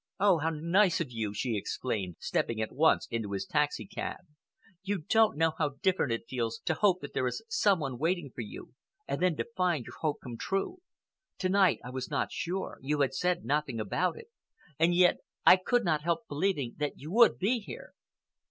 "Oh, how nice of you!" she exclaimed, stepping at once into his taxicab. "You don't know how different it feels to hope that there is some one waiting for you and then to find your hope come true. To night I was not sure. You had said nothing about it, and yet I could not help believing that you would be here."